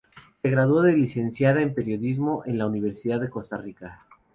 Se graduó de licenciada en periodismo en la Universidad de Costa Rica.